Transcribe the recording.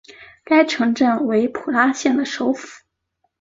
该城镇为普拉县的首府。